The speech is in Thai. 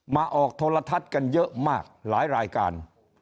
มาออกโทรทัศน์กันเยอะมากหลายรายการ